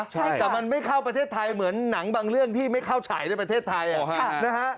แต่มันไม่เข้าประเทศไทยเหมือนหนังบางเรื่องที่ไม่เข้าฉายในประเทศไทยนะฮะ